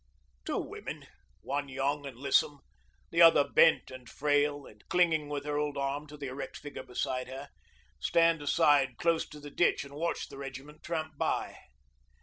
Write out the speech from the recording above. Two women, one young and lissom, the other bent and frail and clinging with her old arm to the erect figure beside her, stand aside close to the ditch and watch the regiment tramp by.